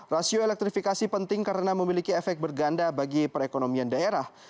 rasio elektrifikasi penting karena memiliki efek berganda bagi perekonomian daerah